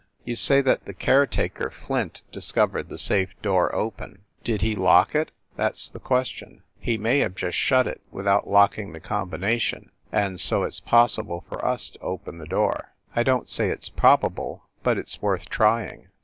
"You say that the caretaker, Flint, discovered the safe door open. Did he lock it? that s the question. He may have just shut it, without lock ing the combination, and so it s possible for us to open the door. I don t say its probable, but it s worth trying.